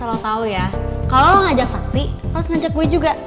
kalo lo ngajak sakti harus ngajak gue juga